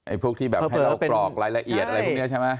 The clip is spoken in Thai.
พวกที่แบบให้เรากรอกรายละเอียดอะไรพวกนี้ใช่ไหม